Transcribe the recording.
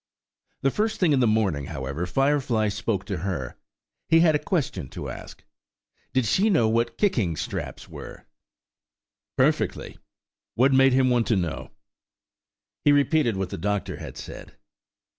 The first thing in the morning, however, Firefly spoke to her. He had a question to ask. Did she know what kicking straps were? Perfectly; what made him want to know. He repeated what the doctor had said.